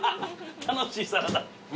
楽しいサラダ。